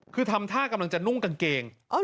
คือทำท่ากำลังจะนุ่งกางเกง